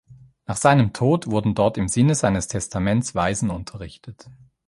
Nach seinem Tod wurden dort im Sinne seines Testaments Waisen unterrichtet.